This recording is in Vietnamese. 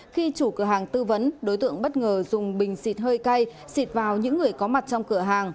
khi chủ cửa hàng tư vấn đối tượng bất ngờ dùng bình xịt hơi cay xịt vào những người có mặt trong cửa hàng